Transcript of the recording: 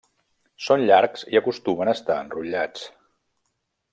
Són llargs i acostumen a estar enrotllats.